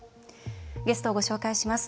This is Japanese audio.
ゲストをご紹介します。